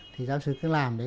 thì giáo sư cứ làm đấy